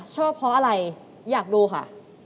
ชอบเพราะอะไรอยากดูค่ะ